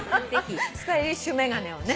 スタイリッシュ眼鏡をね。